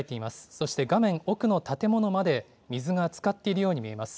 そして画面奥の建物まで水がつかっているように見えます。